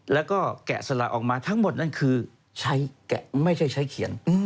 แล้วก็แกะสละออกมาทั้งหมดนั่นคือใช้แกะไม่ใช่ใช้เขียน